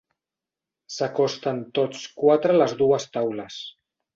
S'acosten tots quatre a les dues taules.